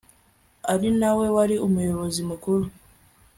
arinawe wari umuyobozi mukuru